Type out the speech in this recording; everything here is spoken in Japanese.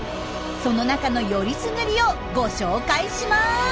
その中のよりすぐりをご紹介します！